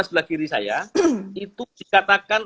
sebelah kiri saya itu dikatakan